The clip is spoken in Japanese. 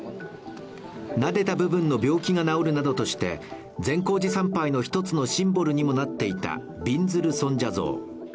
なでた部分の病気が治るなどとして善光寺参拝の１つのシンボルとなっていたびんずる尊者像。